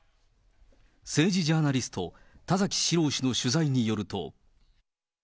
政治ジャーナリスト、田崎史郎氏の取材によると。